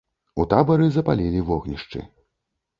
У табары запалілі вогнішчы.